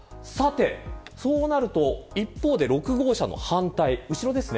そうなると一方で６号車の反対、後ろです。